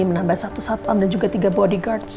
menambah satu satpam dan juga tiga bodyguards